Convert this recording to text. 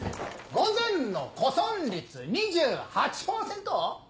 ・午前の呼損率２８％